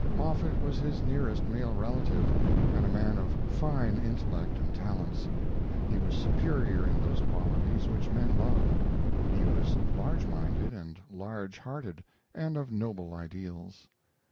Moffett was his nearest male relative, and a man of fine intellect and talents. He was superior in those qualities which men love he was large minded and large hearted, and of noble ideals.